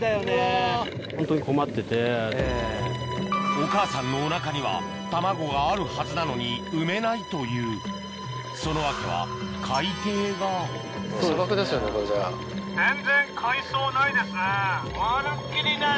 お母さんのお腹には卵があるはずなのに産めないというその訳は海底がまるっきりない。